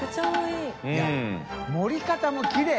いや盛り方もきれい！